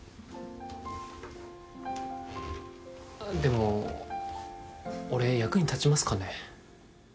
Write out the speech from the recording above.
でも俺役に立ちますかね？